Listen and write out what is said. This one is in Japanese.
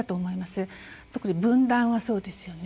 特に分断はそうですよね。